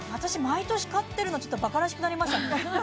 毎年買ってるのちょっとバカらしくなりましたね